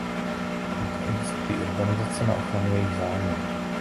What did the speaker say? Dokonce existují i organizace na ochranu jejich zájmů!